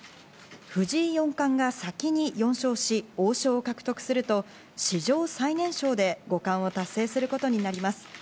藤井四冠が先に４勝し、王将を獲得すると、史上最年少で五冠を達成することになります。